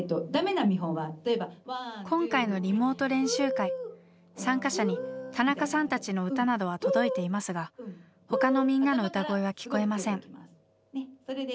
今回のリモート練習会参加者に田中さんたちの歌などは届いていますがほかのみんなの歌声は聴こえません。